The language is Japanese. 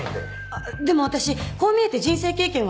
あっでも私こう見えて人生経験はあります。